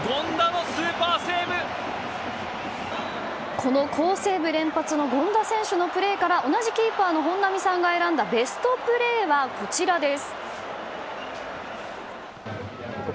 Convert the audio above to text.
この好セーブ連発の権田選手のプレーから同じキーパーの本並さんが選んだベストプレーはこちらです。